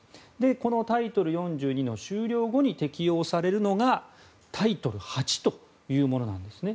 このタイトル４２の終了後に適用されるのがタイトル８というものなんですね。